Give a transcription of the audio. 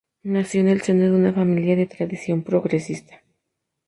Nació en el seno de una familia de tradición progresista.